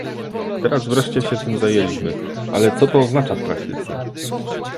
Teraz wreszcie się tym zajęliśmy, ale co to oznacza w praktyce?